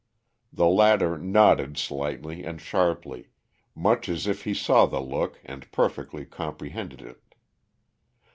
The latter nodded slightly and sharply, much as if he saw the look and perfectly comprehended it.